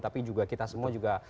tapi juga kita semua juga